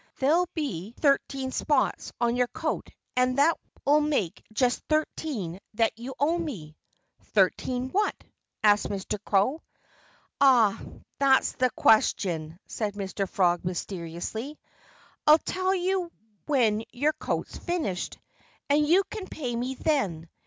"There'll be thirteen spots on your coat and that'll make just thirteen that you'll owe me." "Thirteen what?" asked Mr. Crow. "Ah! That's the question!" said Mr. Frog, mysteriously. "I'll tell you when your coat's finished. And you can pay me then.